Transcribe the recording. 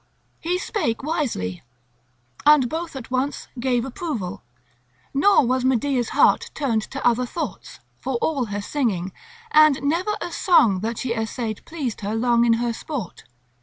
He spake wisely, and both at once gave approval. Nor was Medea's heart turned to other thoughts, for all her singing, and never a song that she essayed pleased her long in her sport.